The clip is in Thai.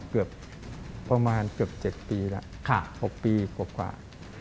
เกือบประมาณเกือบ๗ปีแล้ว๖ปีกว่า